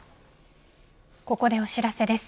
ここでお知らせです。